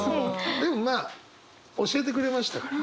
でもまあ教えてくれましたから。